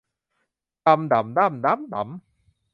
ดำ ด่ำ ด้ำ ด๊ำ ด๋ำ